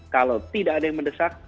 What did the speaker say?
kalau tidak ada yang mendesak